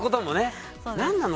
何なの？